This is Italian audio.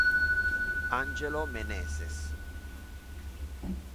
Ângelo Meneses